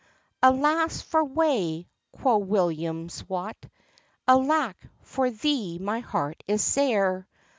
"Alas for wae!" quo' William's Wat, "Alack, for thee my heart is sair!